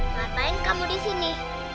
kenapa kamu disini